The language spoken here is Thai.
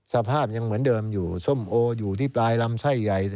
สภาพยังเหมือนเดิมอยู่ส้มโออยู่ที่ปลายลำไส้ใหญ่